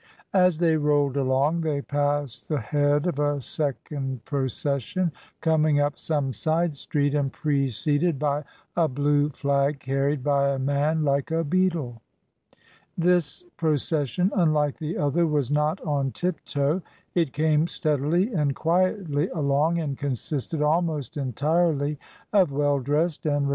As they rolled along, they passed the head of a second procession coming up some side street, and preceded by a blue flag carried by a man like a beadle. This procession, unlike the other, was not on tip toe; it came steadily and quietly along, and consisted almost entirely of well dressed and re Mrs. Dymond.